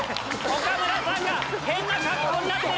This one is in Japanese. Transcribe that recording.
岡村さんが変な格好になってる。